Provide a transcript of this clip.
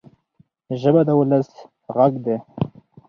ژبه د ولس ږغ دی.